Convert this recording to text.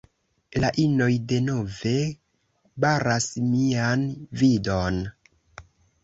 La inoj denove baras mian vidon